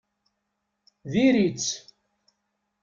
Diri-tt!